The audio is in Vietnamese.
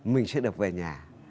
mình sẽ được về nhà